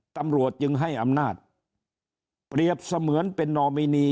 ตำรวจจึงให้อำนาจเปรียบเสมือนเป็นนอมินี